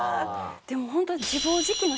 でもホント。